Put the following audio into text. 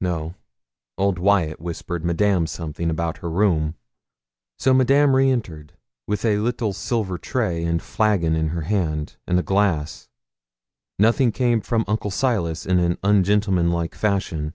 No; old Wyat whispered Madame something about her room. So Madame re entered, with a little silver tray and flagon in her hands, and a glass. Nothing came from Uncle Silas in ungentlemanlike fashion.